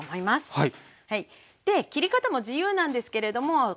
はい。